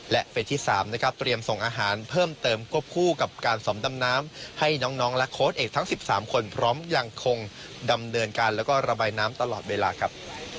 และเฟสที่๓นะครับเตรียมส่งอาหารเพิ่มเติมควบคู่กับการสอมดำน้ำให้น้องและโค้ดเอกทั้ง๑๓คนพร้อมยังคงดำเนินการแล้วก็ระบายน้ำตลอดเวลาครับ